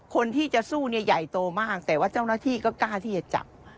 คนที่จะสู้เนี่ยใหญ่โตมากแต่ว่าเจ้าหน้าที่ก็กล้าที่จะจับ